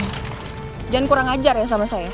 hujan kurang ajar ya sama saya